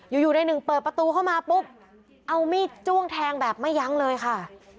อยู่ในหนึ่งเปิดประตูเข้ามาปุ๊บเอามีดจ้วงแทงแบบไม่ยั้งเลยค่ะ